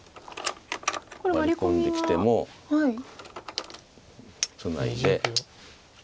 ワリ込んできてもツナいで